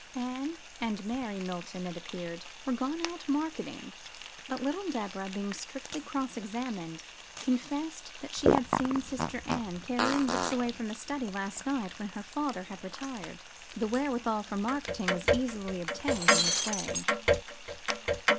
Anne and Mary Milton, it appeared, were gone out marketing: but little Deborah, being strictly cross examined, confessed that she had seen sister Anne carrying books away from the study last night when their father had retired: the wherewithal for "marketing" was easily obtained in this way.